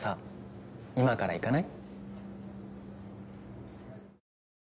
今から行かない？